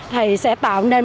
thì sẽ tạo nên